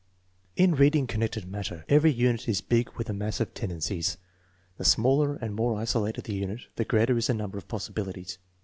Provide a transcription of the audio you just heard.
In reading connected matter, every unit is big with a mass of tendencies. The smaller and more isolated the unit, the greater is the number of possibilities.